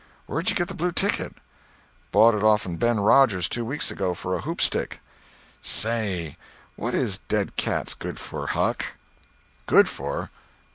"Where'd you get the blue ticket?" "Bought it off'n Ben Rogers two weeks ago for a hoop stick." "Say—what is dead cats good for, Huck?" "Good for?